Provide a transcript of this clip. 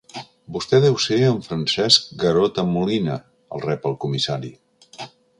Vostè deu ser en Francesc Garota Molina —el rep el comissari—.